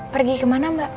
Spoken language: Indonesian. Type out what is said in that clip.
pergi kemana mbak